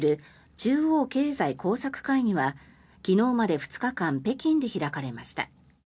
中央経済工作会議は昨日まで２日間北京で開かれました。